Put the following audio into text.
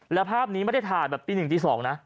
แล้วภาพนี้ไม่ได้ถ่ายแบบตี๑ตี๒นะ